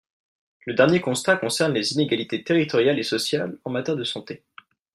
Le dernier constat concerne les inégalités territoriales et sociales en matière de santé.